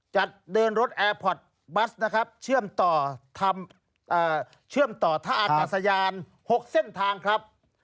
จัดเดินรถแอร์พอร์ตบัสนะครับเชื่อมต่อท่าอากาศยาน๖เส้นทางครับ